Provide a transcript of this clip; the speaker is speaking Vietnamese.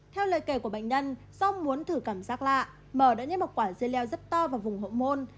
theo lời kể của bệnh nhân do muốn thử cảm giác lạ m đã nhét một quả dưa leo rất to vào vùng hộ môn